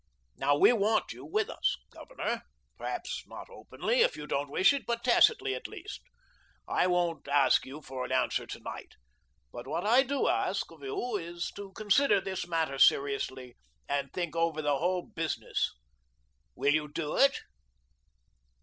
Now, we want you with us, Governor; perhaps not openly, if you don't wish it, but tacitly, at least. I won't ask you for an answer to night, but what I do ask of you is to consider this matter seriously and think over the whole business. Will you do it?"